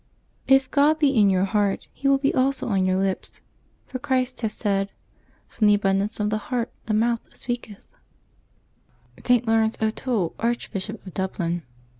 — If God be in your heart, He will be also on your lips ; for Christ has said, " From the abundance of the heart the mouth speaketh/' ST. LAURENCE O'TOOLE, Archbishop of Dublin.